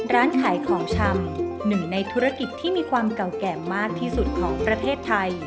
ร้านขายของชำหนึ่งในธุรกิจที่มีความเก่าแก่มากที่สุดของประเทศไทย